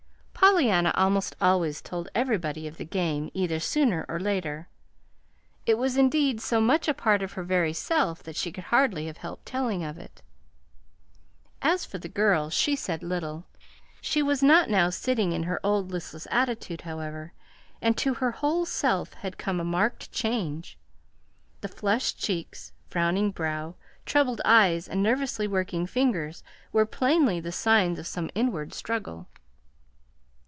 Pollyanna almost always told everybody of the game, either sooner or later. It was, indeed, so much a part of her very self that she could hardly have helped telling of it. As for the girl she said little. She was not now sitting in her old listless attitude, however, and to her whole self had come a marked change. The flushed cheeks, frowning brow, troubled eyes, and nervously working fingers were plainly the signs of some inward struggle.